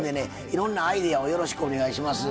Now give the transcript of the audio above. いろんなアイデアをよろしくお願いします。